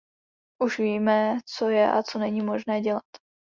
Už víme, co je a co není možné dělat.